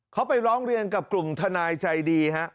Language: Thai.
เขาไปร้องเรียนกับกลุ่มทนายใจดีฮะ